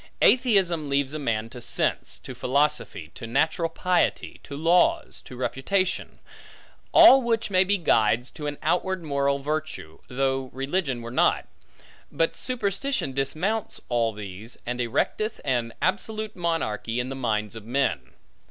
Atheism leaves a man to sense, to philosophy, to natural piety, to laws, to reputation; all which may be guides to an outward moral virtue, though religion were not; but superstition dismounts all these, and erecteth an absolute monarchy, in the minds of men.